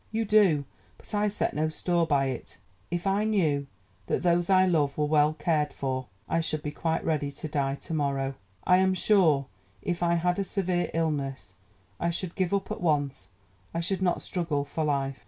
You do; but I set no store by it. If I knew that those I love were well cared for, I should be quite ready to die to morrow. ... I am sure, if I had a severe illness, I should give up at once, I should not struggle for life."